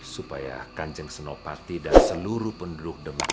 supaya kanjeng sunan kalijogo dan seluruh penduduk demak